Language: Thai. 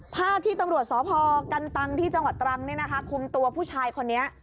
ภาพที่ตำรวจสพกันตังที่จังหวัดตรังคุมตัวผู้ชายคนนี้